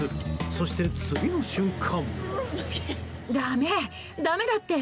そして次の瞬間。